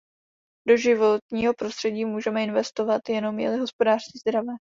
Do životního prostředí můžeme investovat, jenom je-li hospodářství zdravé.